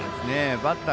バッター